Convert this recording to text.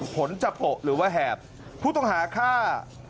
ขนจะโปะหรือว่าแหบผู้ต้องหาฆ่า